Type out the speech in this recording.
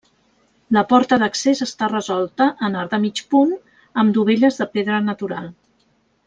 La porta d'accés està resolta en arc de mig punt, amb dovelles de pedra natural.